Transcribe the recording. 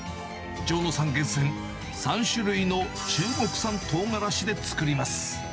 城野さん厳選、３種類の中国産とうがらしで作ります。